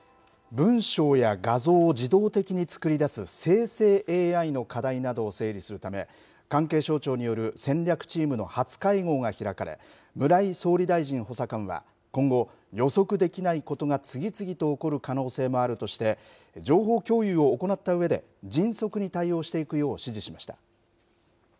文章や画像を自動的に作り出す、生成ＡＩの課題などを整理するため、関係省庁による戦略チームの初会合が開かれ、村井総理大臣補佐官は、今後、予測できないことが次々と起こる可能性もあるとして、情報共有を行ったうえで、迅速に対応していくよう指示しました。